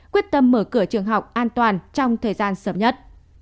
quyết tâm mở cửa trường học an toàn trong thời gian sớm nhất